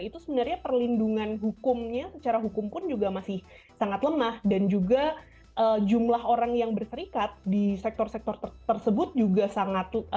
itu sebenarnya perlindungan hukumnya secara hukum pun juga masih sangat lemah dan juga jumlah orang yang berserikat di sektor sektor tersebut juga sangat